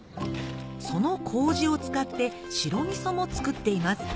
その麹を使って白味噌も作っています